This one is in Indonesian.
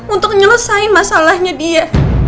untuk nyelesain masalahnya dia